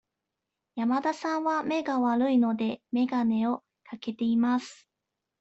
山田さんは目が悪いので、眼鏡をかけています。